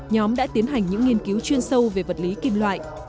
nhóm đã tiến hành những nghiên cứu chuyên sâu về vật lý kim loại